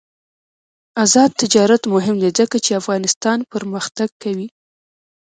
آزاد تجارت مهم دی ځکه چې افغانستان پرمختګ کوي.